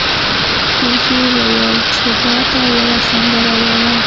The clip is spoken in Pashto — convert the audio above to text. وزې وویل چې ما ته یوه سندره ووایه.